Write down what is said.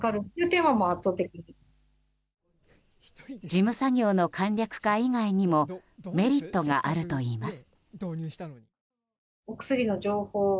事務作業の簡略化以外にもメリットがあるといいます。